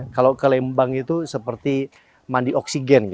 kalau ke lembang itu seperti mandi oksigen